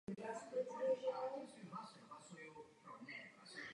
Je to odvětví, které se neustále a nejrychleji rozrůstá.